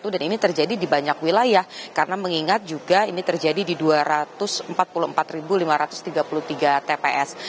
dan ini terjadi di banyak wilayah karena mengingat juga ini terjadi di dua ratus empat puluh empat lima ratus tiga puluh tiga tps